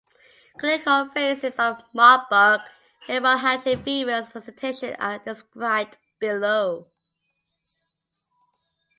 Clinical phases of Marburg Hemorrhagic Fever's presentation are described below.